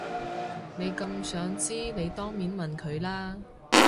你咁想知你當面問佢啦